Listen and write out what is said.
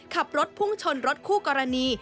ขับรถพุ่งชนรถคู่กรณี